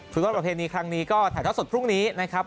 ฟุตบอลประเพณีครั้งนี้ก็ถ่ายเท่าสดพรุ่งนี้นะครับ